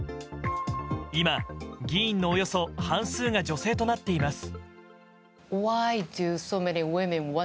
今、議員のおよそ半数が女性となっています。